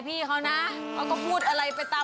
พี่เขานะเขาก็พูดอะไรไปตาม